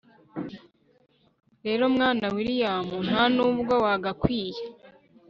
rero mwana william ntanubwo wagakwiye